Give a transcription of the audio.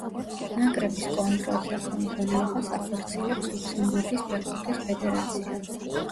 ნაკრების კონტროლს და ხელმძღვანელობას ახორციელებს ლუქსემბურგის ფეხბურთის ფედერაცია.